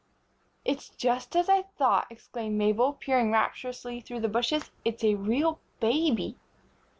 "It's just as I thought!" exclaimed Mabel, peering rapturously through the bushes. "It's a real baby!"